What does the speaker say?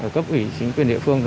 cấp ủy chính quyền địa phương